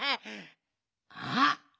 あっ！